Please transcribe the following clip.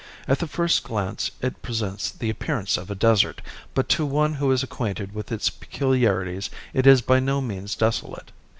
At the first glance it presents the appearance of a desert, but to one who is acquainted with its peculiarities it is by no means desolate.